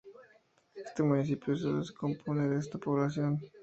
Este municipio sólo se compone de esta población.